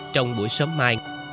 trong buổi sớm mai